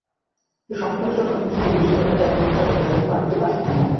এই সংখ্যা কনিষ্ঠ প্রজন্ম হিসেবে বিবেচিত হয়ে থাকে এবং এই ভাষা বর্তমানে নতুন করে কেউ আর শেখেন না।